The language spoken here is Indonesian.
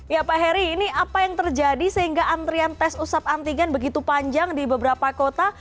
ya pak heri ini apa yang terjadi sehingga antrian tes usap antigen begitu panjang di beberapa kota